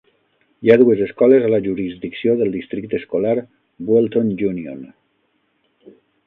Hi ha dues escoles a la jurisdicció del districte escolar Buellton Union.